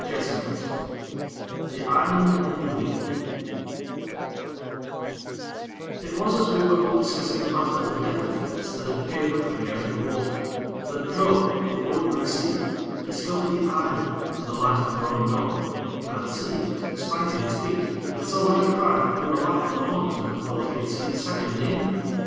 VII The Island in the Weed It was as we were all discussing the matter of the devil face that had peered up at me out of the water, that Job, the ordinary seaman, discovered the island in the light of the growing dawn, and, seeing it, sprang to his feet, with so loud a cry that we were like for the moment to have thought he had seen a second demon.